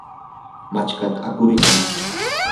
machkata akuykan.